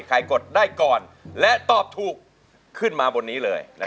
กดได้ก่อนและตอบถูกขึ้นมาบนนี้เลย